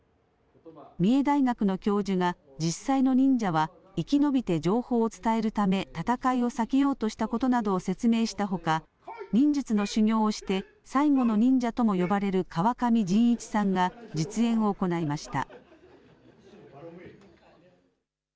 三重大学の教授が実際の忍者は生き延びて情報を伝えるため戦いを避けようとしたことなどを説明したほか、忍術の修行をして最後の忍者とも呼ばれる川上仁一さんが実演を行いました。